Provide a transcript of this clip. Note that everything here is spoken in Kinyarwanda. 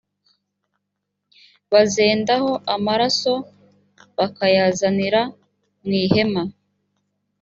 bazendaho amaraso bakayazanira mu ihema